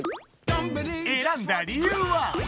選んだ理由は？